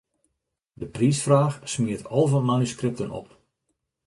De priisfraach smiet alve manuskripten op.